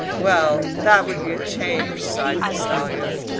"Well, that would be a change," sighed Castalia.